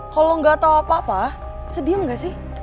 kalo lo nggak tau apa apa sediam nggak sih